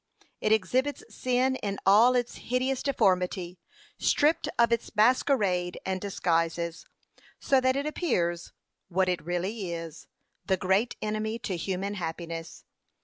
It exhibits sin in all its hideous deformity, stript of its masquerade and disguises; so that it appears, what it really is, the great enemy to human happiness.